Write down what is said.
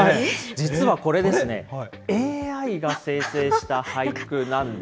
実はこれですね、ＡＩが生成した俳句なんです。